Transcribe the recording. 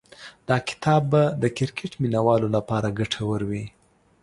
دا کتاب به د کرکټ مینه والو لپاره ګټور وي.